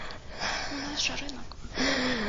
У нас жа рынак!